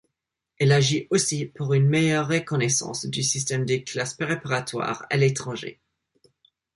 Elle agit aussi pour une meilleure reconnaissance du système des classes préparatoires à l’étranger.